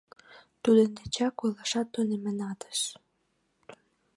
Тудын дечак ойлашат тунемынатыс.